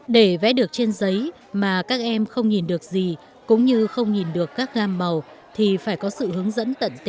để vẽ được trên giấy mà các em không nhìn được gì cũng như không nhìn được các gam màu thì phải có sự hướng dẫn tận tình